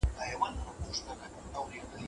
د سترګو تور، د زړګـــي زور